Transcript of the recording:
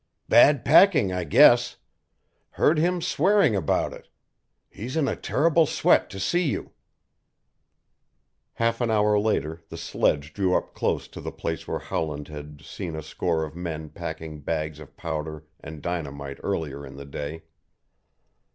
"Bad packing, I guess. Heard him swearing about it. He's in a terrible sweat to see you." Half an hour later the sledge drew up close to the place where Howland had seen a score of men packing bags of powder and dynamite earlier in the day.